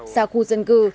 xa khu dân cư